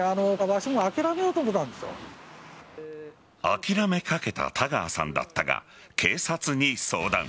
諦めかけた田川さんだったが警察に相談。